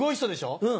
うん。